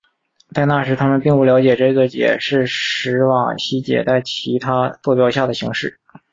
在那时他们并不了解这个解是史瓦西解在其他座标下的形式。